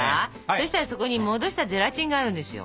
そしたらそこに戻したゼラチンがあるんですよ。